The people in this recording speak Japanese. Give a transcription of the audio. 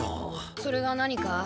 それが何か？